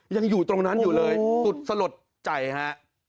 ยังอยู่ตรงนั้นอยู่เลยสุดสลดใจฮะ